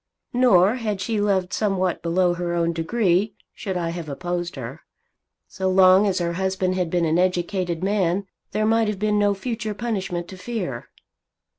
Nor, had she loved somewhat below her own degree, should I have opposed her. So long as her husband had been an educated man, there might have been no future punishment to fear."